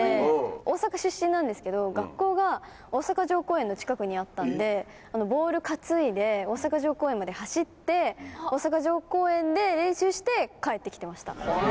大阪出身なんですけど、学校が大阪城公園の近くにあったんで、ボール担いで、大阪城公園まで走って、大阪城公園で練習して帰ってきてました。